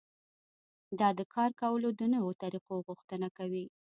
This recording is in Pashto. دا د کار کولو د نويو طريقو غوښتنه کوي.